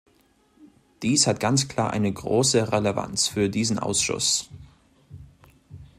Dies hat ganz klar eine große Relevanz für diesen Ausschuss.